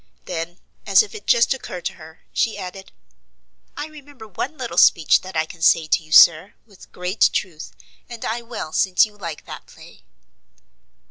Then, as if it just occurred to her, she added, "I remember one little speech that I can say to you, sir, with great truth, and I will, since you like that play."